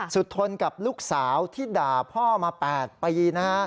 สุดทนกับลูกสาวที่ด่าพ่อมาแปดปี